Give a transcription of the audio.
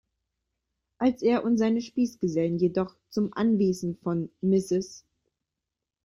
Als er und seine Spießgesellen jedoch zum Anwesen von Mrs.